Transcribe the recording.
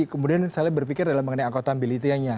kemudian selain berpikir dalam mengenai akutabilitanya